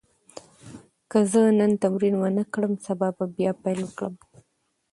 که زه نن تمرین ونه کړم، سبا به بیا پیل کړم.